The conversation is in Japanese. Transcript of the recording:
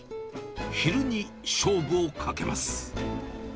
昼に勝負をかけます。